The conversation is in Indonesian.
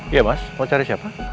iya mas mau cari siapa